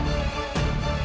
ibu buddha berkasih